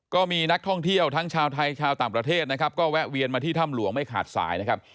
ก็มีนักท่องเที่ยวทั้งชาวไทยชาวต่างประเทศนะครับก็แวะเวียนมาที่ถ้ำหลวงไม่ขาดสายนะครับ